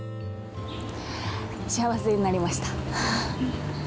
幸せになりました。